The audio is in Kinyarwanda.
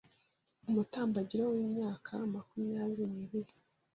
umutambagiro w'imyaka makumyabiri n'ibiri